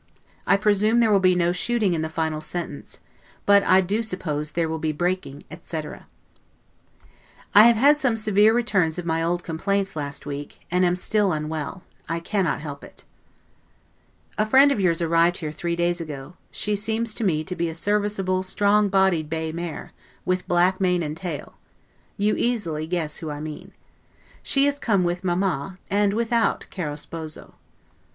I presume there will be no shooting in the final sentence; but I do suppose there will be breaking, etc. I have had some severe returns of my old complaints last week, and am still unwell; I cannot help it. A friend of yours arrived here three days ago; she seems to me to be a serviceable strong bodied bay mare, with black mane and tail; you easily guess who I mean. She is come with mamma, and without 'caro sposo'.